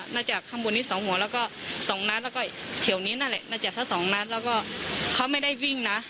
จากข้างบนนี้สองหัวแล้วก็สองนัดแล้วก็แถวนี้นั่นแหละน่าจะทั้งสองนัดแล้วก็เขาไม่ได้วิ่งนะ